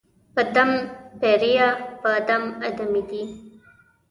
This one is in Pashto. په دم پېریه، په دم آدمې دي